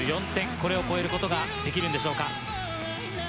これを超えることができるんでしょうか？